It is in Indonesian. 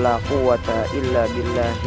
aku harus berusaha